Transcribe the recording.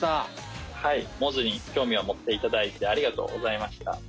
はいモズにきょうみをもっていただいてありがとうございました。